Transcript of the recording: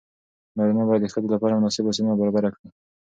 نارینه باید د ښځې لپاره مناسب اوسېدنه برابره کړي.